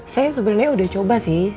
saya sebenarnya udah coba sih